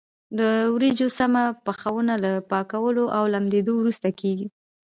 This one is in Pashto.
د وریجو سمه پخونه له پاکولو او لمدولو وروسته کېږي.